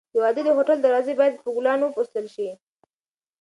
د واده د هوټل دروازې باید په ګلانو وپسولل شي.